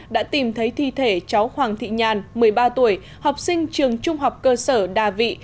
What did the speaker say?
đã tìm thấy thi thể cháu hoàng thị nhàn một mươi ba tuổi học sinh trường trung học cơ sở đà vị